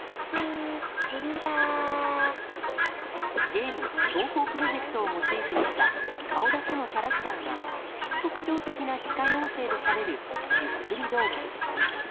ゲーム「東方Ｐｒｏｊｅｃｔ」をモチーフにした顔だけのキャラクターが特徴的な機械音声でしゃべるゆっくり動画。